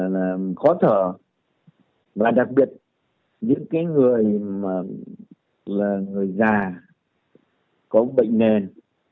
rất là khó thở và đặc biệt những cái người mà là người già có bệnh nền